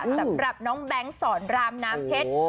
สำหรับน้องแบงค์สอนรามน้ำเพชร